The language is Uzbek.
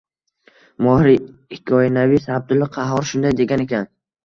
Mohir hikoyanavis Abdulla Qahhor shunday degan ekan: